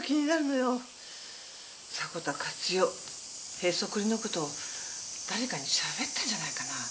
へそくりの事誰かに喋ってるんじゃないかな。